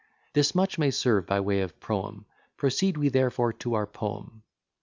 Thus much may serve by way of proem: Proceed we therefore to our poem.